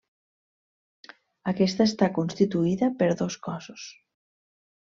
Aquesta està constituïda per dos cossos.